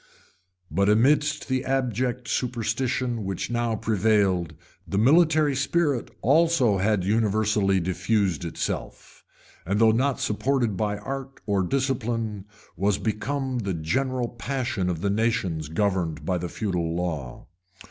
] But amidst the abject superstition which now prevailed, the military spirit also had universally diffused itself; and though not supported by art or discipline, was become the general passion of the nations governed by the feudal law.